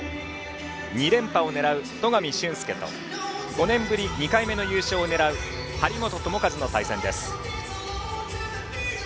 ２連覇を狙う戸上隼輔と５年ぶり２回目の優勝を狙う張本智和の対戦です。